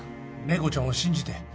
麗子ちゃんを信じて。